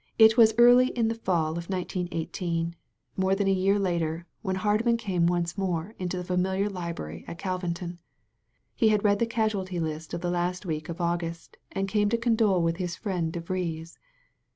'* It was in the early fall of 1918, more than a year later, that Hardman came once more into the familiar library at Calvinton. He had read the casualty list of the last week of August and came to condole with his friend De Vries.